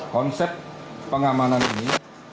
konsep pengamanan ini